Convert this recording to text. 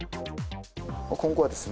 今後はですね、